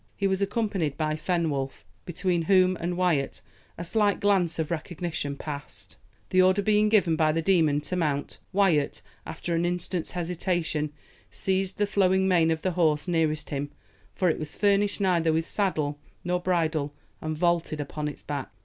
He was accompanied by Fenwolf, between whom and Wyat a slight glance of recognition passed. The order being given by the demon to mount, Wyat, after an instant's hesitation, seized the flowing mane of the horse nearest him for it was furnished neither with saddle nor bridle and vaulted upon its back.